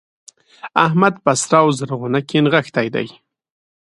احمد په سره و زرغونه کې رغښتی دی.